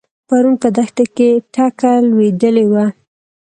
پرون په دښته کې ټکه لوېدلې وه.